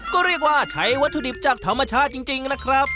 ก็เรียกว่าใช้วัตถุดิบจากธรรมชาติจริงนะครับ